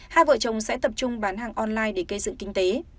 hai vợ chồng sẽ tập trung bán hàng online để cây dựng kinh tế